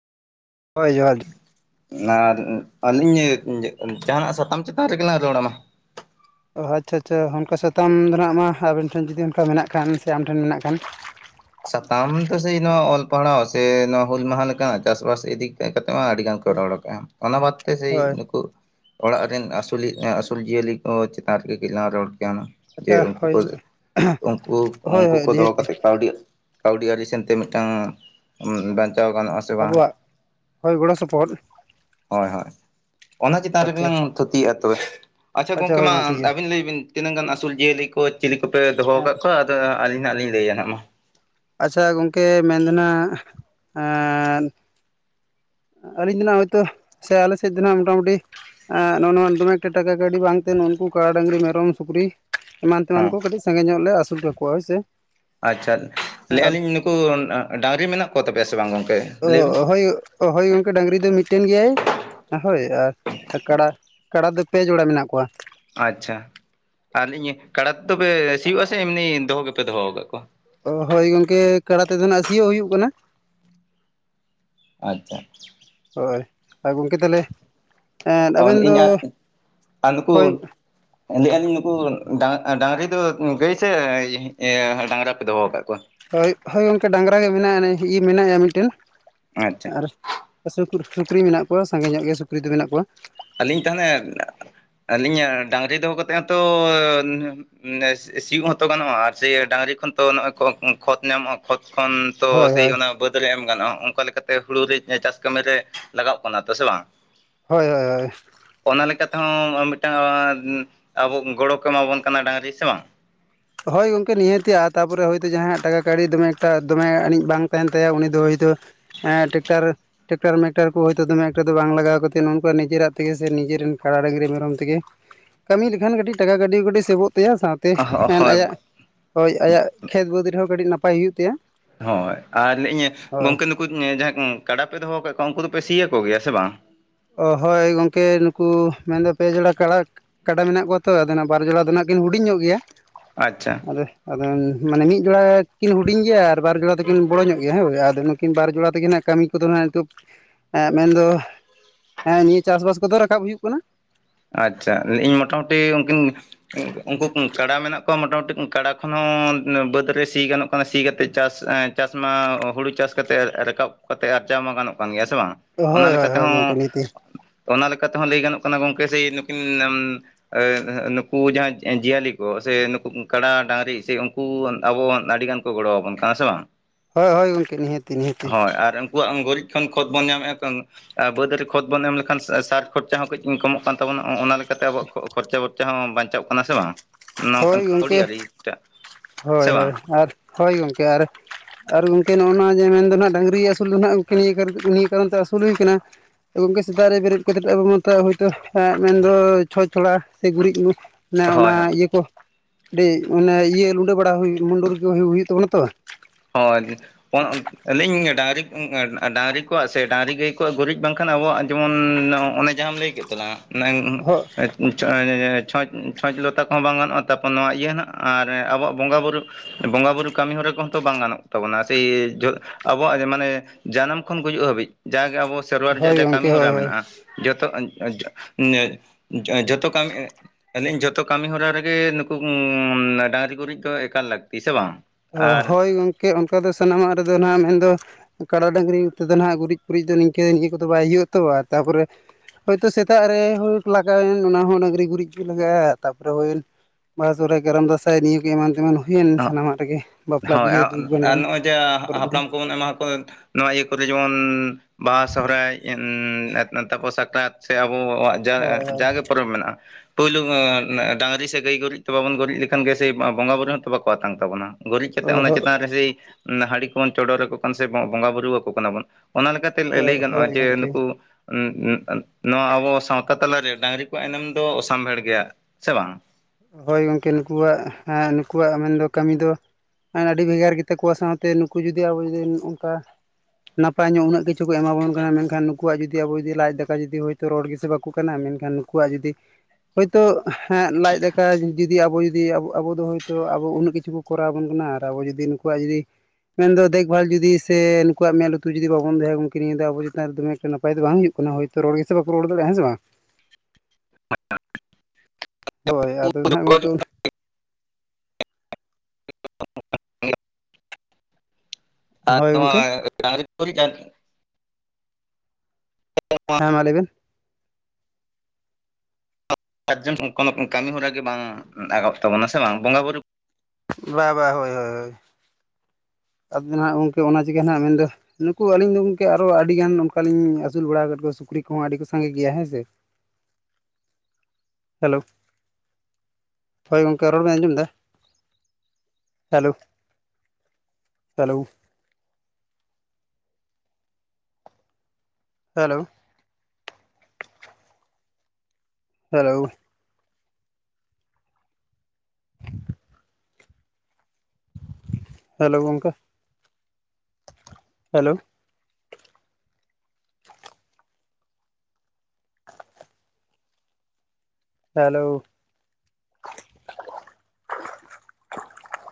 ᱦᱳᱭ ᱡᱚᱦᱟᱨ ᱵᱟᱨ ᱟᱹᱞᱤᱧ ᱡᱟᱦᱟᱱᱟᱜ ᱥᱟᱛᱟᱢ ᱪᱮᱛᱟᱱ ᱨᱮᱜᱮ ᱞᱟᱝ ᱨᱚᱲᱟ ᱢᱟᱦ᱾ ᱚ ᱟᱪᱪᱷᱟ ᱟᱪᱪᱷᱟ ᱚᱱᱠᱟ ᱥᱟᱛᱟᱢ ᱫᱚ ᱱᱟᱦᱜ ᱢᱟ ᱟᱵᱤᱱ ᱴᱷᱮᱱ ᱡᱩᱫᱤ ᱚᱱᱠᱟ ᱢᱮᱱᱟᱜ ᱠᱷᱟᱱ ᱥᱮ ᱟᱢ ᱴᱷᱮᱱ ᱢᱮᱱᱟᱜ ᱠᱷᱟᱱ ᱥᱟᱛᱟᱢ ᱫᱚ ᱥᱮᱭ ᱱᱚᱣᱟ ᱚᱞ ᱯᱟᱲᱦᱟᱣ ᱥᱮ ᱱᱚᱣᱟ ᱦᱩᱞ ᱢᱟᱦᱟ ᱞᱮᱠᱟᱱᱟᱜ ᱪᱟᱥᱵᱟᱥ ᱤᱫᱤ ᱠᱟᱛᱮᱜ ᱢᱟ ᱟᱹᱰᱤ ᱜᱟᱱ ᱠᱚ ᱨᱚᱲ ᱠᱟᱜᱟ ᱚᱱᱟ ᱵᱟᱫ ᱛᱮ ᱥᱮᱭ ᱦᱳᱭ ᱱᱩᱠᱩ ᱚᱲᱟᱜ ᱨᱮᱱ ᱟᱹᱥᱩᱞᱤᱡ ᱮ ᱟᱹᱥᱩᱞ ᱡᱤᱭᱟᱹᱞᱤ ᱠᱚ ᱪᱮᱛᱟᱱ ᱨᱮᱜᱮ ᱠᱤ ᱞᱟᱝ ᱨᱚᱲ ᱠᱮᱭᱟ ᱢᱟ ᱡᱮ ᱟᱪᱪᱷᱟ ᱩᱱᱠᱩ ᱦᱳᱭ ᱠᱚ ᱩᱝᱠᱩ ᱦᱳᱭ ᱩᱝᱠᱩ ᱦᱳᱭ ᱠᱚᱫᱚ ᱱᱤᱦᱟᱹᱛᱤ ᱠᱟᱛᱮᱜ ᱠᱟᱹᱣᱰᱤ ᱠᱟᱹᱣᱰᱤ ᱟᱹᱨᱤ ᱥᱮᱱᱛᱮ ᱢᱤᱫᱴᱟᱝ ᱵᱟᱧᱪᱟᱣ ᱜᱟᱱᱚᱜᱼᱟ ᱥᱮ ᱵᱟᱝ ᱟᱵᱚᱣᱟᱜ ᱦᱚᱭ ᱜᱚᱲᱚ ᱥᱚᱯ ᱦᱳᱭ ᱦᱳᱭ ᱚᱱᱟ ᱪᱮᱛᱟᱱ ᱨᱮᱜᱮ ᱟᱪᱪᱷᱟ ᱞᱟᱝ ᱛᱷᱩᱛᱤᱭᱟ ᱛᱚᱵᱮ᱾ ᱟᱪᱪᱷᱟ ᱜᱚᱝᱠᱮ ᱢᱟ ᱟᱹᱵᱤᱱ ᱞᱟᱹᱭ ᱵᱤᱱ ᱛᱤᱱᱟᱹᱝ ᱜᱟᱱ ᱟᱹᱥᱩᱞ ᱡᱤᱭᱟᱹᱞᱤ ᱠᱚ ᱪᱤᱞᱤ ᱠᱚᱯᱮ ᱫᱚᱦᱚᱸ ᱜᱮᱭᱟ ᱣᱟᱠᱟᱜ ᱠᱚᱣᱟ? ᱟᱹᱞᱤᱧᱟᱜ ᱱᱟᱦᱜ ᱞᱤᱧ ᱞᱟᱹᱭᱟᱱᱟᱜ ᱢᱟ᱾ ᱟᱪᱪᱷᱟ ᱜᱚᱝᱠᱮ ᱢᱮᱱ ᱫᱚᱱᱟᱜ ᱟᱻ ᱟᱹᱞᱤᱧ ᱫᱚ ᱱᱟᱜ ᱦᱳᱭᱛᱳ ᱥᱮ ᱟᱞᱮ ᱥᱮᱫ ᱫᱚ ᱱᱟᱜ ᱢᱚᱴᱟ ᱢᱩᱴᱤ ᱜᱚ ᱱᱚᱜᱚ ᱱᱚᱣᱟ ᱫᱚᱢᱮ ᱴᱮ ᱴᱟᱠᱟ ᱠᱟᱹᱣᱰᱤ ᱵᱟᱝᱛᱮ ᱩᱱᱠᱩ ᱠᱟᱲᱟ ᱰᱟᱝᱨᱤ ᱢᱮᱨᱚᱢ ᱥᱩᱠᱨᱤ ᱮᱢᱟᱱ ᱛᱮᱢᱟᱱ ᱠᱚ ᱦᱮᱸ ᱠᱟᱹᱴᱤᱡ ᱥᱟᱸᱜᱮ ᱧᱚᱜ ᱞᱮ ᱟᱹᱥᱩᱞ ᱠᱟᱠᱚᱣᱟ ᱦᱳᱭ ᱥᱮ᱾ ᱟᱪᱪᱷᱟ ᱞᱟᱹᱭ ᱟᱨ ᱮᱜᱟ ᱞᱤᱧ ᱱᱩᱠᱩ ᱰᱟᱝᱨᱤ ᱢᱮᱱᱟᱜ ᱠᱚ ᱛᱟᱯᱮᱭᱟ ᱥᱮ ᱵᱟᱝ ᱜᱚᱝᱠᱮ? ᱚ ᱞᱟᱹᱭ ᱵᱤᱱ ᱦᱳᱭ ᱦᱳᱭ ᱜᱚᱝᱠᱮ ᱰᱟᱝᱨᱤ ᱫᱚ ᱢᱤᱫᱴᱮᱱ ᱜᱮᱭᱟᱭ ᱦᱳᱭ ᱟᱨ ᱠᱟᱲᱟ ᱠᱟᱰᱟ ᱫᱚ ᱯᱮ ᱡᱚᱲᱟ ᱢᱮᱱᱟᱜ ᱠᱚᱣᱟ ᱟᱪᱪᱷᱟ ᱟᱨ ᱤᱧᱟᱜ ᱠᱟᱲᱟᱠ ᱛᱚᱵᱮ ᱥᱤᱭᱩᱜᱼᱟ ᱥᱮ ᱮᱢᱱᱤ ᱫᱚᱦᱚᱸ ᱜᱮᱯᱮ ᱫᱚᱦᱚ ᱟᱠᱟᱫ ᱠᱚᱣᱟ? ᱚ ᱦᱳᱭ ᱜᱚᱝᱠᱮ ᱠᱟᱲᱟ ᱛᱮᱫᱚ ᱱᱟᱜ ᱥᱤᱭᱚᱜ ᱦᱩᱭᱩᱜ ᱠᱟᱱᱟ᱾ ᱟᱪᱪᱷᱟ, ᱦᱳᱭ ᱟᱨ ᱜᱚᱝᱠᱮ ᱛᱟᱦᱚᱞᱮ ᱮᱫ ᱚ ᱟᱵᱮᱱ ᱤᱧ ᱫᱚ ᱟᱨ ᱦᱳᱭ᱾ ᱞᱟᱹᱭᱮᱜ-ᱟ ᱞᱤᱧ ᱱᱩᱠᱩ ᱰᱟᱝ ᱰᱟᱝᱨᱤ ᱫᱚ ᱜᱟᱹᱭ ᱥᱮ ᱰᱟᱝᱨᱟ ᱯᱮ ᱫᱚᱦᱚᱸ ᱟᱠᱟᱫ ᱠᱚᱣᱟ? ᱦᱳᱭ ᱦᱳᱭ ᱜᱚᱝᱠᱮ ᱰᱟᱝᱨᱟ ᱜᱮ ᱢᱮᱱᱟᱭᱟ ᱤᱭᱟᱹ ᱢᱮᱱᱟᱭᱟ ᱢᱤᱜᱴᱟᱹ ᱟᱪᱪᱷᱟ ᱟᱨ ᱥᱩᱠᱨᱤ ᱥᱩᱠᱨᱤ ᱢᱮᱱᱟᱜ ᱠᱚᱣᱟ ᱥᱟᱸᱜᱮ ᱧᱚᱜ ᱜᱮ ᱥᱩᱠᱨᱤ ᱫᱚ ᱢᱮᱱᱟᱜ ᱠᱚᱣᱟ᱾ ᱟᱹᱞᱤᱧ ᱛᱟᱦᱚᱞᱮ ᱟᱹᱞᱤᱧᱟᱜ ᱰᱟᱝᱨᱤ ᱫᱚᱦᱚᱸ ᱠᱟᱛᱮᱜ ᱦᱚᱛᱚ ᱱᱮᱥ ᱤᱥᱤᱢ ᱦᱚᱸᱛᱚ ᱜᱟᱱᱚᱜᱼᱟ ᱟᱨ ᱥᱮ ᱰᱟᱝᱨᱤ ᱠᱷᱚᱱ ᱛᱚ ᱱᱚᱜᱚᱭ ᱠᱚ ᱠᱷᱚᱛ ᱧᱟᱢᱚᱜᱼᱟ ᱠᱷᱚᱛ ᱠᱷᱚᱱ ᱛᱚ ᱦᱳᱭ ᱥᱮᱭ ᱦᱳᱭ ᱚᱱᱟ ᱵᱟᱹᱫᱽ ᱨᱮ ᱮᱢ ᱜᱟᱱᱚᱜᱼᱟ ᱚᱱᱠᱟ ᱞᱮᱠᱟᱛᱮ ᱦᱩᱲᱩ ᱨᱮ ᱡᱮ ᱪᱟᱥ ᱠᱟᱹᱢᱤ ᱨᱮ ᱞᱟᱜᱟᱣ ᱠᱟᱱᱟ ᱛᱚ ᱥᱮ ᱵᱟᱝ? ᱦᱳᱭ ᱦᱳᱭ ᱦᱳᱭ᱾ ᱚᱱᱟ ᱞᱮᱠᱟ ᱛᱮᱦᱚᱸ ᱢᱟᱹ ᱢᱤᱜᱴᱟᱝ ᱟᱵᱚ ᱜᱚᱲᱚ ᱠᱚ ᱮᱢᱟᱵᱚᱱ ᱠᱟᱱᱟ ᱰᱟᱝᱨᱤ ᱥᱮ ᱵᱟᱝ? ᱦᱳᱭ ᱜᱚᱝᱠᱮ ᱱᱤᱦᱟᱹᱛᱤ ᱟᱨ ᱛᱟᱯᱚᱨᱮ ᱦᱳᱭᱛᱚ ᱡᱟᱦᱟᱸᱭᱟᱜ ᱴᱟᱠᱟ ᱠᱟᱲᱤ ᱫᱚᱢᱮ ᱮᱠᱴᱟ ᱫᱚᱢᱮ ᱟᱹᱱᱤᱡ ᱵᱟᱝ ᱛᱟᱦᱮᱱ ᱛᱟᱭᱟ ᱩᱱᱤ ᱫᱚ ᱦᱳᱭᱛᱚ ᱦᱮᱸ ᱴᱮᱠᱴᱟᱨ ᱴᱮᱠᱴᱟᱨ ᱢᱮᱠᱴᱟᱨ ᱠᱚ ᱦᱚᱭᱛᱳ ᱫᱚᱢᱮ ᱮᱠᱴᱟ ᱫᱚ ᱵᱟᱝ ᱞᱟᱜᱟᱣ ᱠᱷᱟᱛᱤᱨ ᱱᱚᱝᱠᱟᱱ ᱱᱤᱡᱮᱨᱟᱜ ᱛᱤᱥᱮᱢ ᱤᱭᱟᱛ ᱨᱮ ᱦᱚᱸ ᱠᱟᱲᱟ ᱰᱟᱝᱨᱤ ᱢᱮᱨᱚᱢ ᱛᱮᱜᱮ ᱠᱟᱹᱢᱤ ᱞᱮᱠᱷᱟᱱ ᱠᱟᱹᱴᱤᱡ ᱴᱟᱠᱟ ᱜᱟᱹᱰᱤ ᱜᱟᱹᱰᱤ ᱥᱮᱵᱚᱜ ᱛᱟᱭᱟ ᱥᱟᱶᱛᱮ ᱦᱳᱭ ᱟᱭᱟᱜ ᱦᱳᱭ ᱟᱭᱟᱜ ᱠᱷᱮᱛ ᱵᱟᱹᱫᱽ ᱨᱮᱦᱚᱸ ᱠᱟᱹᱴᱤᱡ ᱱᱟᱯᱟᱭ ᱦᱩᱭᱩᱜ ᱛᱟᱭᱟ᱾ ᱦᱳᱭ ᱟᱨ ᱞᱤᱭᱟᱹ ᱦᱳᱭ ᱜᱚᱝᱠᱮ ᱱᱩᱠᱩ ᱡᱟᱦᱟᱸᱭ ᱠᱟᱰᱟ ᱯᱮ ᱫᱚᱦᱚᱸᱣ ᱠᱟᱜ ᱠᱚᱣᱟ ᱩᱱᱠᱩ ᱫᱚᱯᱮ ᱥᱤ ᱭᱟᱠᱚ ᱜᱮᱭᱟ ᱥᱮ ᱵᱟᱝ? ᱚ ᱦᱳᱭ ᱜᱚᱝᱠᱮ ᱱᱩᱠᱩ ᱢᱮᱱᱫᱚ ᱯᱮ ᱡᱚᱲᱟ ᱠᱟᱲᱟ ᱠᱟᱰᱟ ᱢᱮᱱᱟᱜ ᱠᱚᱣᱟ ᱛᱚ ᱟᱫᱚ ᱱᱟ ᱵᱟᱨ ᱡᱚᱲᱟ ᱫᱚ ᱱᱟᱜ ᱠᱤᱱ ᱦᱩᱰᱤᱧ ᱧᱚᱜ ᱜᱮᱭᱟ᱾ ᱟᱪᱪᱷᱟ ᱟᱫᱚ ᱢᱟᱱᱮ ᱢᱤᱜ ᱡᱚᱲᱟ ᱠᱤᱱ ᱦᱩᱰᱤᱧ ᱜᱮᱭᱟ ᱟᱨ ᱵᱟᱨ ᱡᱚᱲᱟ ᱫᱚᱠᱤᱱ ᱵᱚᱲᱚ ᱧᱚᱜ ᱜᱮᱭᱟ ᱦᱮᱸ ᱟᱫᱚ ᱱᱩᱠᱤᱱ ᱵᱟᱨ ᱡᱚᱲᱟ ᱛᱮᱜᱮ ᱱᱟᱜ ᱠᱟᱹᱢᱤ ᱠᱚᱫᱚ ᱱᱟᱦᱟᱸᱜ ᱱᱤᱛᱚᱜ ᱢᱮᱱᱫᱚ ᱦᱮᱸ ᱱᱤᱭᱟᱹ ᱪᱟᱥᱵᱟᱥ ᱠᱚᱫᱚ ᱨᱟᱠᱟᱵ ᱦᱩᱭᱩᱜ ᱠᱟᱱᱟ᱾ ᱟᱪᱪᱷᱟ ᱤᱧ ᱢᱚᱴᱟ ᱢᱩᱴᱤ ᱩᱱᱠᱤᱱ ᱩᱱᱠᱩ ᱠᱩᱱ ᱛᱟᱲᱟᱢ ᱢᱮᱱᱟ ᱠᱚ ᱢᱚᱴᱟ ᱢᱩᱴᱤᱢ ᱠᱟᱰᱟ ᱠᱚᱦᱚᱸ ᱚᱱᱮ ᱵᱟᱹᱫᱽ ᱨᱮ ᱥᱤ ᱜᱟᱱᱚᱜ ᱠᱟᱱᱟ ᱥᱤ ᱠᱟᱛᱮᱜ ᱪᱟᱥ ᱪᱟᱥᱢᱟ ᱦᱩᱲᱩ ᱪᱟᱥ ᱠᱟᱛᱮ ᱨᱟᱠᱟᱵ ᱠᱟᱛᱮ ᱟᱨᱡᱟᱣ ᱢᱟ ᱜᱟᱱᱚᱜ ᱠᱟᱱ ᱜᱮᱭᱟ ᱥᱮ ᱵᱟᱝ ᱚᱱᱟ ᱦᱳᱭ ᱞᱮᱠᱟ ᱦᱳᱭ ᱦᱳᱭ ᱜᱚᱝᱠᱮ ᱛᱮᱦᱚᱸ ᱾ ᱱᱤᱦᱟᱹᱛᱤ ᱚᱱᱟ ᱞᱮᱠᱟ ᱛᱮᱦᱚᱸ ᱞᱟᱹᱭ ᱜᱟᱱᱚᱜ ᱠᱟᱱᱟ ᱜᱚᱝᱠᱮ ᱡᱮ ᱱᱩᱠᱤᱱ ᱾ ᱱᱩᱠᱩ ᱡᱟᱦᱟᱸ ᱡᱤᱭᱟᱹᱞᱤ ᱠᱚ ᱥᱮ ᱱᱩ ᱠᱟᱰᱟ ᱰᱟᱝᱨᱤ ᱥᱮ ᱾ ᱟᱵᱚ ᱟᱹᱰᱤᱜᱟᱱ ᱠᱚ ᱜᱚᱲᱚ ᱟᱵᱚᱱ ᱠᱟᱱᱟ ᱥᱮ ᱵᱟᱝ ᱾ ᱦᱳᱭ ᱦᱳ ᱜᱚᱢᱠᱮ ᱱᱤᱦᱟᱹᱛᱤ ᱱᱤᱦᱟᱹᱛᱤ ᱾ ᱦᱳᱭ ᱟᱨ ᱱᱩᱠᱩᱣᱟᱜ ᱜᱩᱨᱤᱡ ᱠᱷᱚᱱ ᱠᱷᱚᱛ ᱵᱚᱱ ᱧᱟᱢᱮᱫᱼᱟ ᱵᱟᱹᱫ ᱨᱮ ᱠᱷᱚᱛ ᱵᱚᱱ ᱮᱢ ᱞᱮᱠᱷᱟᱱ ᱥᱟᱨ ᱠᱷᱚᱨᱪᱟ ᱦᱚᱸ ᱠᱟᱹᱡ ᱠᱚᱢᱚᱜ ᱠᱟᱱᱟ ᱾ ᱠᱟᱱ ᱛᱟᱵᱚᱱᱟ ᱚᱱᱟ ᱞᱮᱠᱟᱛᱮ ᱟᱵᱚᱣᱟᱜ ᱠᱷᱚᱨᱪᱟᱵᱚᱨᱪᱟ ᱦᱚᱸ ᱵᱟᱧᱪᱟᱜ ᱠᱟᱱᱟ ᱥᱮ ᱵᱟᱝ ᱾ ᱦᱳᱭ ᱜᱚᱢᱠᱮ ᱦᱳᱭ ᱥᱮ ᱦᱳᱭ ᱵᱟᱝ ᱟᱨ ᱦᱳᱭ ᱜᱚᱢᱠᱮ ᱟᱨ ᱟᱨ ᱜᱚᱢᱠᱮ ᱱᱚᱜᱼᱚᱭ ᱡᱮ ᱢᱮᱱᱫᱚ ᱦᱟᱸᱜ ᱰᱟᱝᱨᱤ ᱟᱹᱥᱩᱞ ᱫᱚ ᱦᱟᱸᱜ ᱱᱤᱭᱟᱹ ᱱᱤᱭᱟᱹ ᱠᱟᱨᱚᱱ ᱛᱮ ᱟᱹᱥᱩᱞ ᱦᱩᱭ ᱠᱟᱱᱟ ᱾ ᱜᱚᱝᱠᱮ ᱥᱮᱛᱟᱜ ᱨᱮ ᱵᱮᱨᱮᱫ ᱠᱟᱛᱮᱜ ᱟᱵᱚ ᱦᱳᱭᱛᱳ ᱢᱮᱱᱫᱚ ᱪᱷᱚᱪ ᱪᱷᱚᱲᱟ ᱥᱮ ᱜᱩᱨᱤᱡ ᱾ ᱮ ᱦᱳᱭ ᱚᱱᱟ ᱦᱳᱭ ᱤᱭᱟᱹ ᱠᱚ ᱟᱹᱰᱤ ᱚᱱᱮ ᱤᱭᱟᱹ ᱞᱩᱸᱰᱟᱹ ᱵᱟᱲᱟ ᱦᱩᱭ ᱢᱩᱰᱩᱨ ᱦᱩᱭᱩᱜ ᱛᱟᱵᱚᱱᱟ ᱛᱚ ᱾ [inaudible] ᱟᱹᱞᱤᱧ ᱰᱟᱝᱨᱤ ᱰᱟᱝᱨᱤ ᱠᱚᱣᱟᱜ ᱥᱮ ᱰᱟᱝᱨᱤ ᱜᱟᱹᱭ ᱠᱚᱣᱟᱜ ᱜᱩᱨᱤᱡ ᱵᱟᱝᱠᱷᱟᱱ ᱟᱵᱚᱣᱟᱜ ᱡᱮᱢᱚᱱ ᱚᱱᱮ ᱡᱟᱦᱟᱸ ᱞᱟᱹᱭ ᱾ [unintelligible] ᱪᱷᱚᱸᱪ ᱪᱷᱚᱸᱪ ᱞᱚᱛᱟ ᱠᱚᱦᱚᱸ ᱵᱟᱝ ᱜᱟᱱᱚᱜᱼᱟ ᱛᱟᱯᱚᱨ ᱱᱚᱣᱟ ᱤᱭᱟᱹ ᱱᱟᱦᱟᱜ ᱟᱨ ᱟᱵᱚᱣᱟᱜ ᱵᱚᱸᱜᱟᱼ ᱵᱩᱨᱩ ᱾ ᱵᱚᱸᱜᱟ ᱵᱩᱨᱩ ᱠᱟᱹᱢᱤ ᱦᱚᱨᱟ ᱠᱚ ᱾ ᱵᱟᱝ ᱜᱟᱱᱚᱜ ᱛᱟᱵᱚᱱᱟ ᱥᱮ ᱟᱵᱚᱣᱟᱜ ᱢᱟᱱᱮ ᱡᱟᱱᱟᱢ ᱠᱷᱚᱱ ᱜᱩᱡᱩᱜ ᱦᱟᱹᱵᱤᱡ ᱡᱟᱜᱮ ᱟᱵᱚ ᱾ ᱥᱮᱨᱣᱟ ᱦᱳᱭ ᱨᱮᱭᱟᱜ ᱡᱟᱦᱟ ᱜᱚᱝᱠᱮ ᱠᱟᱹᱢᱤ ᱦᱳᱭ ᱦᱚᱨᱟ ᱦᱳᱭ ᱢᱮᱱᱟᱜᱼᱟ ᱡᱚ [inaudible] ᱡᱷᱚᱛᱚ ᱠᱟᱹᱢᱤ ᱾ ᱟᱹᱞᱤᱧ ᱡᱷᱚᱛᱚ ᱠᱟᱹᱢᱤ ᱦᱚᱨᱟ ᱨᱮᱜᱮ ᱱᱩᱠᱩ [inaudible] ᱰᱟᱝᱨᱤ ᱜᱩᱨᱤᱡ ᱫᱚ ᱮᱠᱟᱞ ᱞᱟᱹᱠᱛᱤ ᱥᱮ ᱵᱟᱝ ᱾ ᱦᱳᱭ ᱜᱚᱢᱠᱮ ᱚᱱᱠᱟ ᱫᱚ ᱥᱟᱱᱟᱢᱟᱜ ᱨᱮᱫᱚ ᱱᱟᱜ ᱢᱮᱱᱫᱚ ᱾ ᱠᱟᱰᱟ ᱰᱟᱹᱝᱨᱤ ᱛᱮᱫᱚ ᱱᱟᱦᱟᱜ ᱜᱩᱨᱤᱡ ᱜᱩᱨᱤᱡ ᱫᱚ ᱱᱤᱝᱠᱟᱹ ᱱᱤᱠᱟᱹ ᱠᱚᱫᱚ ᱵᱟᱭ ᱦᱩᱭᱩᱜᱼᱟ ᱛᱚ ᱛᱟᱯᱚᱨᱮ ᱾ ᱦᱳᱭᱛᱳ ᱥᱮᱛᱟᱜ ᱨᱮ ᱞᱟᱜᱟᱣᱮᱱ ᱚᱱᱟ ᱰᱟᱝᱨᱤ ᱜᱩᱨᱤᱡ ᱜᱮ ᱞᱟᱜᱟᱜᱼᱟ ᱛᱟᱯᱚᱨᱮ ᱦᱩᱭᱮᱱ ᱾ ᱵᱟᱦᱟ ᱥᱚᱦᱚᱨᱟᱭ ᱠᱟᱨᱟᱢ ᱫᱟᱥᱟᱸᱭ ᱱᱤᱭᱟᱹ ᱠᱚ ᱮᱢᱟᱱ ᱛᱮᱢᱟᱱ ᱦᱩᱭᱮᱱ ᱥᱟᱱᱟᱢᱟᱜ ᱾ ᱦᱳᱭ ᱟᱨ ᱱᱚᱜᱼᱚᱭ ᱡᱮ ᱠᱚᱨᱮ ᱦᱚᱸ ᱦᱟᱯᱲᱟᱢ ᱠᱚᱵᱚᱱ ᱮᱢᱟ ᱠᱚ ᱱᱚᱣᱟ ᱤᱭᱟᱹ ᱠᱚᱨᱮ ᱡᱮᱢᱚᱱ ᱵᱟᱦᱟ ᱥᱚᱦᱨᱟᱭ ᱛᱟᱨᱯᱚᱨ ᱥᱟᱠᱨᱟᱛ ᱥᱮ ᱟᱵᱚᱣᱟᱜ ᱾ ᱦᱳᱭ ᱡᱟ ᱡᱟᱜᱮ ᱯᱚᱨᱚᱵᱽ ᱢᱮᱱᱟᱜᱼᱟ ᱯᱳᱭᱞᱳ ᱰᱟᱝᱨᱤ ᱥᱮ ᱜᱟᱹᱭ ᱜᱩᱨᱤᱡ ᱛᱮ ᱵᱟᱵᱚᱱ ᱜᱩᱨᱤᱡ ᱞᱮᱠᱷᱟᱱ ᱜᱮ ᱵᱚᱸᱜᱟ ᱵᱩᱨᱩ ᱦᱚᱸ ᱾ ᱵᱟᱠᱚ ᱟᱛᱟᱝ ᱛᱟᱵᱚᱱᱟ ᱜᱩᱨᱤᱡ ᱠᱟᱛᱮᱜ ᱚᱱᱟ ᱦᱳᱭ ᱪᱮᱛᱟᱱ ᱨᱮ ᱥᱮ ᱾ ᱦᱟᱺᱰᱤ ᱠᱚᱵᱚᱱ ᱪᱚᱰᱚᱨ ᱟᱠᱚ ᱠᱟᱱᱟ ᱥᱮ ᱵᱚᱸᱜᱟ ᱵᱩᱨᱩ ᱟᱠᱚ ᱠᱟᱱᱟ ᱵᱚᱱ ᱚᱱᱟ ᱞᱮᱠᱟᱛᱮ ᱛᱮ ᱞᱟᱹᱭ ᱦᱳᱭ ᱜᱟᱱᱚᱜᱼᱟ ᱡᱮ ᱜᱚᱢᱠᱮ ᱱᱩᱠᱩ [inaudible] ᱱᱚᱣᱟ ᱟᱵᱚ ᱥᱟᱶᱛᱟ ᱛᱟᱞᱟᱨᱮ ᱰᱟᱝᱨᱤ ᱠᱚᱣᱟᱜ ᱮᱱᱮᱢ ᱫᱚ ᱥᱟᱢᱵᱷᱮᱲ ᱜᱮᱭᱟ ᱥᱮ ᱵᱟᱝ ᱾ ᱦᱳᱭ ᱜᱚᱢᱠᱮ ᱱᱩᱠᱩᱣᱟᱜ ᱦᱮᱸ ᱱᱩᱠᱩᱣᱟᱜ ᱢᱮᱱᱫᱚ ᱠᱟᱹᱢᱤ ᱫᱚ ᱾ ᱟᱹᱰᱤ ᱵᱷᱮᱜᱟᱨ ᱜᱮᱛᱟ ᱠᱚᱣᱟ ᱥᱟᱶᱛᱮ ᱱᱩᱠᱩ ᱡᱩᱫᱤ ᱟᱵᱚ ᱡᱩᱫᱤ ᱱᱚ ᱱᱚᱝᱠᱟ ᱾ ᱱᱟᱯᱟᱭ ᱧᱚᱜ ᱩᱱᱟᱹᱜ ᱠᱤᱪᱷᱩ ᱮᱢᱟᱵᱚᱱ ᱠᱟᱱᱟ ᱢᱮᱱᱠᱷᱟᱱ ᱱᱩᱠᱩᱣᱟᱜ ᱡᱩᱫᱤ ᱟᱵᱚ ᱡᱩᱫᱤ ᱞᱟᱡ ᱫᱟᱠᱟ ᱡᱩᱫᱤ ᱦᱳᱭ ᱾ ᱨᱚᱲ ᱜᱮᱥᱮ ᱵᱟᱠᱚ ᱠᱟᱱᱟ ᱢᱮᱱᱠᱷᱟᱱ ᱱᱩᱠᱩᱣᱟᱜ ᱡᱩᱫᱤ ᱦᱳᱭᱛᱳ ᱞᱟᱡ ᱫᱟᱠ᱾ ᱠᱟ ᱡᱩᱫᱤ ᱟᱵᱚ ᱡᱩᱫᱤ ᱟᱵᱚ ᱫᱚ ᱦᱚᱭᱛᱳ ᱟᱵᱚ ᱩᱱᱟᱹᱜ ᱠᱤᱪᱷᱩ ᱠᱚᱨᱟᱣ ᱵᱚᱱ ᱠᱟᱱᱟ ᱟᱨ ᱟᱵᱚ ᱡᱩᱫᱤ ᱱᱩᱠᱩᱣᱟᱜ ᱡᱩᱫᱤ ᱾ ᱢᱮᱱ ᱫᱚ ᱫᱮᱠᱵᱷᱟᱞ ᱡᱩᱫᱤ ᱥᱮ ᱱᱩᱠᱩᱣᱟᱜ ᱢᱮᱫ ᱞᱩᱛᱩᱨ ᱡᱩᱫᱤ ᱵᱟᱵᱚᱱ ᱫᱚᱦᱭᱟᱵᱚᱱ ᱠᱤᱨᱤᱧ ᱫᱟ ᱟᱵᱚ ᱪᱮᱛᱟᱱ ᱨᱮ ᱫᱚᱢᱮ ᱮᱠᱴᱟ ᱱᱟᱯᱟᱭ ᱫᱚ ᱵᱟᱝ ᱦᱩᱭᱩᱜᱼᱟ ᱾ ᱛᱮᱱᱟ ᱦᱳᱭᱛᱳ ᱨᱚᱲ ᱜᱮᱥᱮ ᱵᱟᱠᱚ ᱨᱚᱲ ᱫᱟᱲᱮᱜᱼᱟ ᱦᱮᱸ ᱵᱟᱝ ᱾ [inaudible] ᱦᱳᱭ ᱟᱫᱚ ᱱᱟᱦᱟᱜ ᱚᱱᱠᱟ ᱾ [inaudible] ᱟᱨ ᱦᱳᱭ ᱱᱚᱣᱟ ᱜᱚᱢᱠᱮ ᱰᱟᱹᱝᱨᱤ [unintelligible] [inaudible] ᱦᱮᱸ ᱢᱟ ᱞᱟᱹᱭ ᱵᱮᱱ? ᱪᱟᱨᱡᱚᱱ ᱠᱚᱱᱳ ᱠᱟᱹᱢᱤ ᱦᱚᱨᱟ ᱜᱮ ᱵᱟᱝ ᱟᱨᱟᱢᱵᱚᱜ ᱛᱟᱵᱚᱱᱟ ᱥᱮ ᱵᱟᱝ ᱵᱚᱸᱜᱟ ᱵᱩᱨᱩ ᱵᱟ ᱵᱟ ᱦᱳᱭ ᱦᱳᱭ ᱟᱫᱚ ᱱᱟᱜ ᱜᱚᱢᱠᱮ ᱚᱱᱟ ᱪᱤᱠᱟᱹ ᱱᱟᱦᱟᱜ ᱟᱵᱮᱱᱫᱚ ᱱᱩᱠᱩ ᱟᱹᱞᱤᱧ ᱫᱚ ᱜᱚᱢᱠᱮ ᱟᱨᱚ ᱟᱹᱰᱤ ᱜᱟᱱ ᱚᱱᱠᱟᱞᱤᱧ ᱟᱹᱥᱩᱞ ᱵᱟᱲᱟ ᱟᱠᱟᱫ ᱠᱚᱣᱟ ᱥᱩᱠᱨᱤ ᱠᱚᱦᱚᱸ ᱟᱹᱰᱤ ᱠᱚ ᱥᱟᱸᱜᱮ ᱜᱮᱭᱟ ᱦᱮᱸ ᱥᱮ ᱦᱮᱞᱳ ᱦᱳᱭ ᱜᱚᱢᱠᱮ ᱨᱚᱲ ᱵᱮᱱ ᱟᱸᱡᱚᱢ ᱫᱟ hello hello hello hello [inaudible] hello ᱜᱚᱝᱠᱮ ᱦᱮᱞᱳ [inaudible] ᱦᱮᱞᱳ